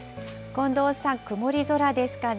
近藤さん、曇り空ですかね。